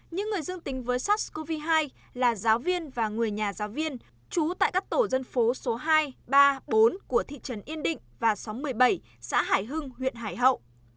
những người dương tính với sars cov hai là giáo viên và người nhà giáo viên trú tại các tổ dân phố số hai ba bốn của thị trấn yên định và xóm một mươi bảy xã hải hưng huyện hải hậu